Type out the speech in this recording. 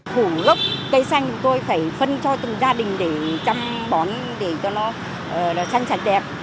phủ gốc cây xanh tôi phải phân cho từng gia đình để chăm bón để cho nó trăng tràn đẹp